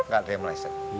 gak ada yang mereset